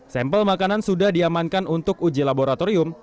sampel makanan sudah diamankan untuk uji laboratorium